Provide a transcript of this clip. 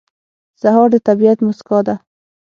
سهار د طبیعت موسکا ده.